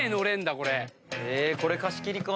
これ貸し切りか。